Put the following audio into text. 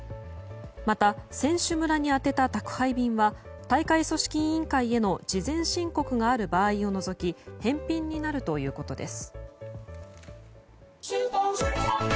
また、選手村に宛てた宅配便は大会組織委員会への事前申告がある場合を除き返品になるということです。